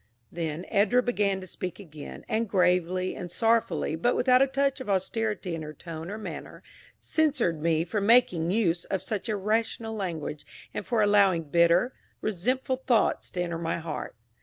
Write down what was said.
Then Edra began to speak again, and gravely and sorrowfully, but without a touch of austerity in her tone or manner, censured me for making use of such irrational language, and for allowing bitter, resentful thoughts to enter my heart.